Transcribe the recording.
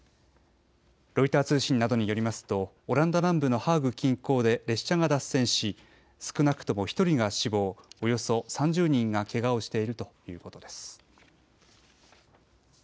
ロイター通信などによりますとオランダ南部のハーグ近郊で列車が脱線し少なくとも１人が死亡、およそ３０人がけがをしているということです。